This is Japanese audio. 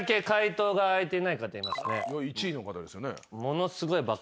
１位の方ですよね？